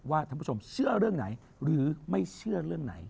ท่านผู้ชมเชื่อเรื่องไหนหรือไม่เชื่อเรื่องไหน